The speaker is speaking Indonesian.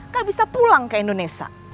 gak bisa pulang ke indonesia